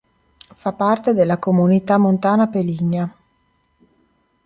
Fa parte della Comunità montana "Peligna".